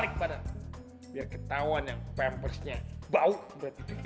jangan ngarang deh